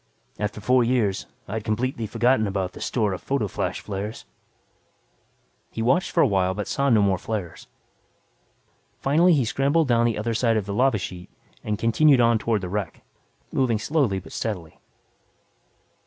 After four years, I had completely forgotten about the store of photo flash flares. He watched for awhile but saw no more flares. Finally he scrambled down the other side of the lava sheet and continued on toward the wreck, moving slowly but steadily.